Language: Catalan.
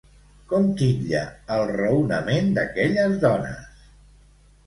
Com titlla el raonament d'aquelles dones?